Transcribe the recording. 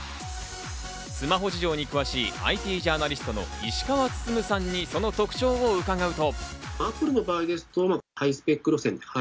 スマホ事情に詳しいＩＴジャーナリストの石川温さんにその特徴を伺うと。